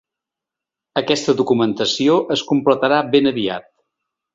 Aquesta documentació es completarà ben aviat.